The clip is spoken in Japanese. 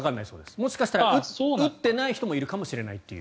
もしかしたら打っていない人もいるかもしれないっていう。